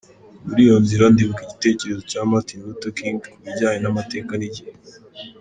Muri iyo nzira ndibuka igitekerezo cya Martin Luther King kubijyanye n’amateka n’igihe.